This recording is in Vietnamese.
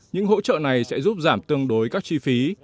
những hỗ trợ này sẽ giúp giảm tương đối các chi phí